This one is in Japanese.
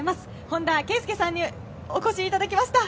本田圭佑さんにお越しいただきました。